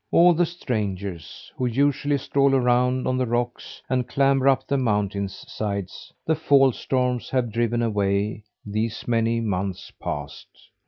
All the strangers who usually stroll around on the rocks, and clamber up the mountain's sides the fall storms have driven away these many months past.